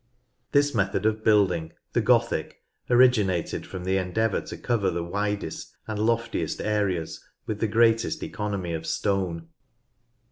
This method of building, the "Gothic," originated from the endeavour to cover the widest and loftiest areas with the greatest economy of stone.